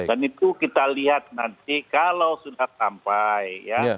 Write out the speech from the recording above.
dan itu kita lihat nanti kalau sudah sampai